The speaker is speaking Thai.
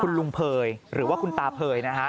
คุณลุงเภยหรือว่าคุณตาเผยนะฮะ